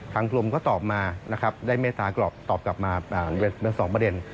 กรมก็ตอบมานะครับได้เมตตากรอบตอบกลับมาเป็น๒ประเด็น